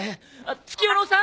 月夜野さん！